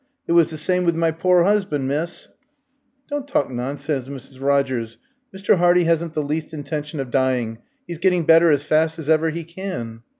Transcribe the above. It was the same with my pore 'usban', miss." "Don't talk nonsense, Mrs. Rogers. Mr. Hardy hasn't the least intention of dying; he's getting better as fast as ever he can."